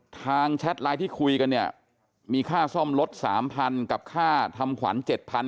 แชทไลน์ที่คุยกันเนี่ยมีค่าซ่อมรถ๓๐๐กับค่าทำขวัญ๗๐๐